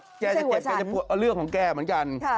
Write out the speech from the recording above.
ไม่ใช่หัวฉันจะเจ็บปวดเรื่องของแกเหมือนกัน